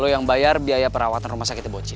lu yang bayar biaya perawatan rumah sakit bosch